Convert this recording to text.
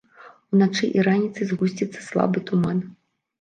Уначы і раніцай згусціцца слабы туман.